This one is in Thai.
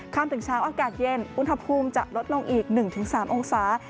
ถึงเช้าอากาศเย็นอุณหภูมิจะลดลงอีก๑๓องศา